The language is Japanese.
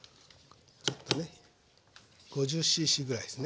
ちょっとね５０ｃｃぐらいですね。